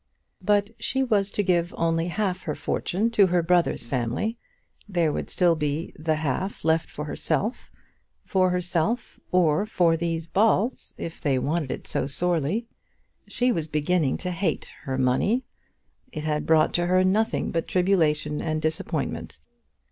But she was to give only half her fortune to her brother's family; there would still be the half left for herself, for herself or for these Balls if they wanted it so sorely. She was beginning to hate her money. It had brought to her nothing but tribulation and disappointment.